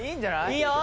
いいよ！